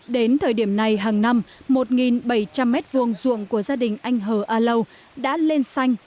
đến thời điểm này hàng năm một bảy trăm linh m hai ruộng của gia đình anh hờ a lâu đã lên xanh